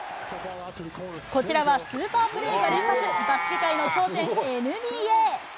こちらはスーパープレーが連発、バスケ界の頂点、ＮＢＡ。